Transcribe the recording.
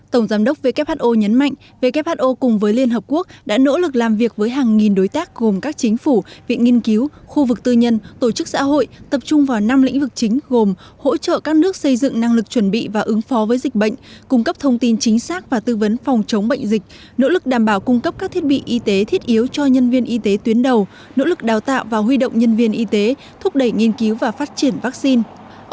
tổng giám đốc who nhấn mạnh who cùng với liên hợp quốc đã nỗ lực làm việc với hàng nghìn đối tác gồm các chính phủ viện nghiên cứu khu vực tư nhân tổ chức xã hội tập trung vào năm lĩnh vực chính gồm hỗ trợ các nước xây dựng năng lực chuẩn bị và ứng phó với dịch bệnh cung cấp thông tin chính xác và tư vấn phòng chống bệnh dịch nỗ lực đảm bảo cung cấp các thiết bị y tế thiết yếu cho nhân viên y tế tuyến đầu nỗ lực đào tạo và huy động nhân viên y tế thúc đẩy nghiên cứu và phát triển vaccine